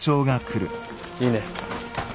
いいね。